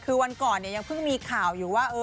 คือวันก่อนยังเพิ่งมีข่าวอยู่ว่า